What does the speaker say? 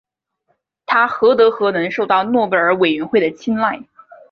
他何德何能受到诺贝尔委员会的青睐。